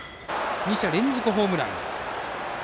２者連続ホームラン。